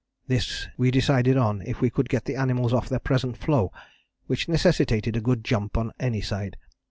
This we decided on, if we could get the animals off their present floe, which necessitated a good jump on any side.